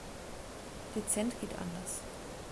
Dezent geht anders.